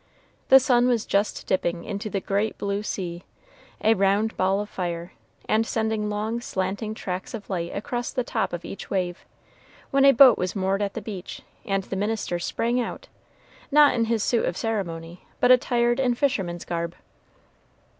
The sun was just dipping into the great blue sea a round ball of fire and sending long, slanting tracks of light across the top of each wave, when a boat was moored at the beach, and the minister sprang out, not in his suit of ceremony, but attired in fisherman's garb.